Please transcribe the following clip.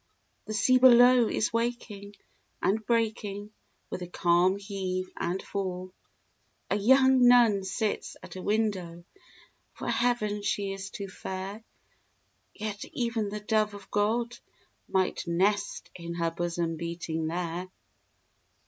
The sea below is waking and breaking With a calm heave and fall. A young nun sits at a window; For Heaven she is too fair; Yet even the dove of God might nest In her bosom beating there.